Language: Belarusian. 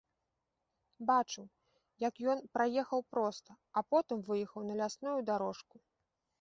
Бачыў, як ён праехаў проста, а потым выехаў на лясную дарожку.